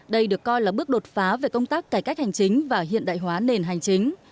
đây được coi là bước đột phá về công tác cải cách hành chính và hiện đại hóa nền hành chính